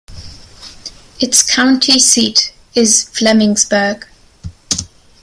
Its county seat is Flemingsburg.